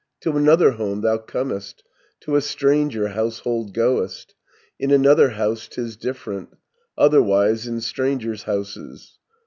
To another home thou comest, To a stranger household goest; In another house 'tis different; Otherwise in strangers' houses.